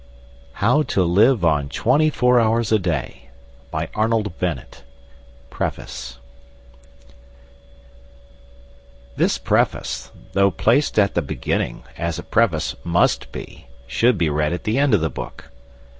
How to Live on Twenty Four Hours a Day by Arnold Bennett PREFACE TO THIS EDITION This preface, though placed at the beginning, as a preface must be, should be read at the end of the book.